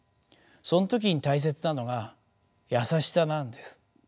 その時に大切なのが優しさなんです。